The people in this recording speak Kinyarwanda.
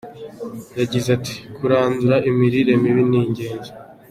Yagize ati “Kurandura imirire mibi ni ingenzi.